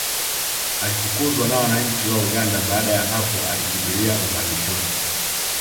Alifukuzwa na wananchi wa Uganda baada ya hapo alikimbilia uhamishoni